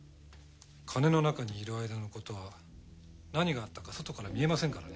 鐘の中にいる間のことは何があったか外から見えませんからね。